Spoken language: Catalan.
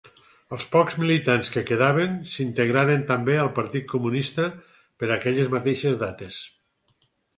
Els pocs militants que quedaven s'integraren també al Partit Comunista per aquelles mateixes dates.